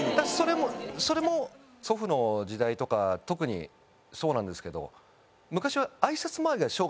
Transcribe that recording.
それも祖父の時代とかは特にそうなんですけど。